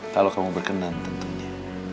kalau kamu berkenan tentunya